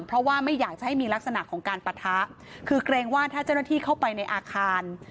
เพราะว่าไม่อยากจะให้มีลักษณะของการปะทะคือเกรงว่าถ้าเจ้าหน้าที่เข้าไปในอาคาร